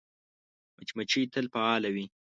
مچمچۍ تل فعاله وي